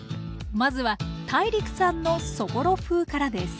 まずはＴＡＩＲＩＫさんのそぼろ風からです。